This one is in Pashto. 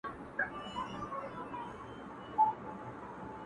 مه مو شمېره پیره په نوبت کي د رندانو،